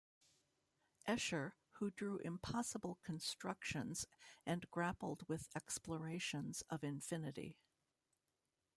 Escher, who drew impossible constructions and grappled with explorations of infinity.